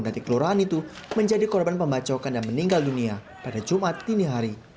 dari kelurahan itu menjadi korban pembacokan dan meninggal dunia pada jumat dini hari